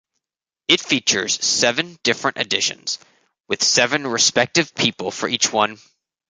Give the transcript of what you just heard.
It features seven different editions, with seven respective people for each one.